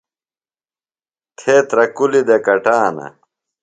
تھےۡ ترہ کُلیۡ دےۡ کٹانہ۔